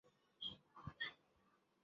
黄志贤出生在中国大陆。